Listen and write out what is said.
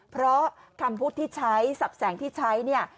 เพราะคำพูดที่ใช้ศัพท์แสงที่ใช้